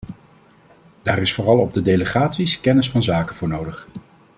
Daar is vooral op de delegaties kennis van zaken voor nodig.